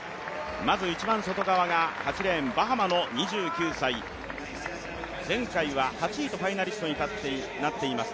まず一番外側が８レーン、バハマの２９歳前回は８位とファイナリストになっています